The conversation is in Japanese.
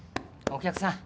お客さん。